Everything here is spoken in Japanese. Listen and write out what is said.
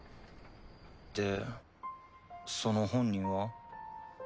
でその本人は？